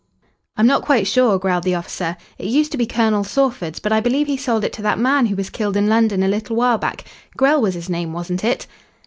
"I'm not quite sure," growled the officer. "It used to be Colonel Sawford's, but I believe he sold it to that man who was killed in London a little while back. Grell was his name, wasn't it?"